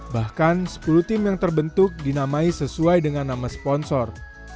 bahkan sepuluh tim yang terbentuk dinamai sesuai dengan nama sponsor